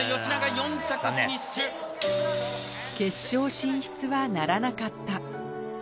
決勝進出はならなかった。